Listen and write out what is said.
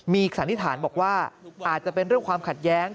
มีสันนิษฐานบอกว่าอาจจะเป็นเรื่องความขัดแย้ง